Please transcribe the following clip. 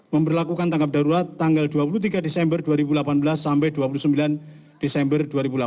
memperlakukan tanggap darurat tanggal dua puluh tiga desember dua ribu delapan belas sampai dua puluh sembilan desember dua ribu delapan belas